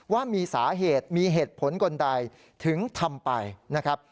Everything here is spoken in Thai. ว่ามีสาเหตุมีเหตุผลคนใดถึงทำไปนะครับ